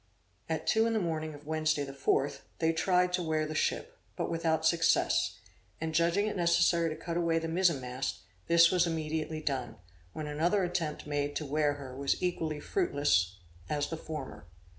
At two in the morning of Wednesday the fourth, they tried to wear the ship, but without success, and judging it necessary to cut away the mizen mast, this was immediately done, when another attempt made to wear her was equally fruitless as the former.